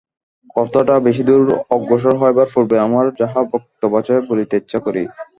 কথাটা বেশি দূর অগ্রসর হইবার পূর্বে আমার যাহা বক্তব্য আছে, বলিতে ইচ্ছা করি।